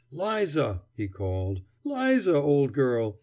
"'Liza!" he called, "'Liza, old girl!